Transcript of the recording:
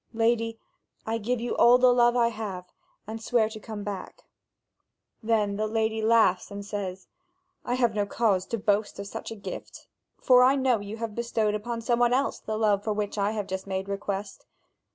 "Lady, I give you all the love I have, and swear to come back." Then the lady laughs and says: "I have no cause to boast of such a gift, for I know you have bestowed upon some one else the love for which I have just made request.